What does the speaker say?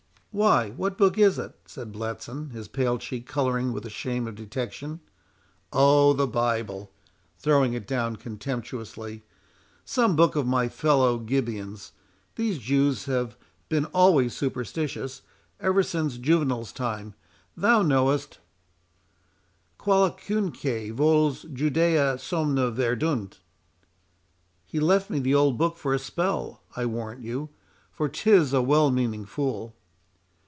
"Why, what book is it?" said Bletson, his pale cheek colouring with the shame of detection. "Oh! the Bible!" throwing it down contemptuously; "some book of my fellow Gibeon's; these Jews have been always superstitious—ever since Juvenal's time, thou knowest— "'Qualiacunque voles Judæi somnia vendunt.' "He left me the old book for a spell, I warrant you; for 'tis a well meaning fool."